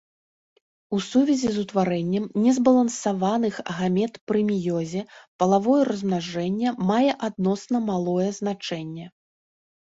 У сувязі з утварэннем незбалансаваных гамет пры меёзе, палавое размнажэнне мае адносна малое значэнне.